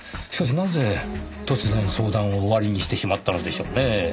しかしなぜ突然相談を終わりにしてしまったのでしょうねぇ？